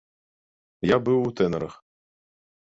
Я быў у тэнарах.